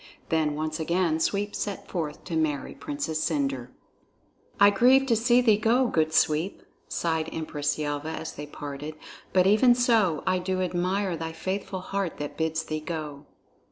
Then once again Sweep set forth to marry Princess Cendre. "I grieve to see thee go, good Sweep," sighed Empress Yelva as they parted, "but even so I do admire thy faithful heart that bids thee go."